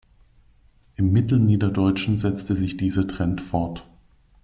Im Mittelniederdeutschen setzte sich dieser Trend fort.